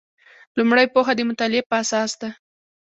لومړۍ پوهه د مطالعې په اساس ده.